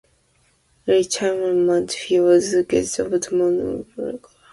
In retirement, he was a guest of the Moonee Valley Racing Club.